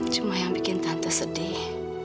cuma yang bikin tante sedih